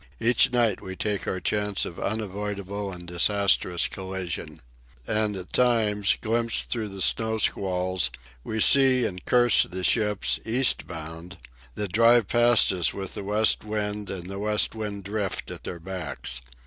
Each night we take our chance of unavoidable and disastrous collision. And at times, glimpsed through the snow squalls, we see and curse the ships, east bound, that drive past us with the West Wind and the West Wind Drift at their backs.